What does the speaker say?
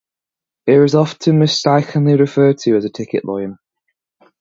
It is often mistakenly referred to as a ticket line.